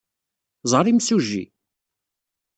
Ẓer imsujji!